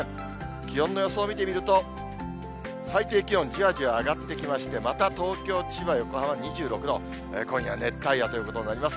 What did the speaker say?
気温の予想を見てみると、最低気温じわじわ上がってきまして、また東京、千葉、横浜２６度、今夜は熱帯夜ということになります。